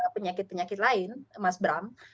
penyakit penyakit lain mas bram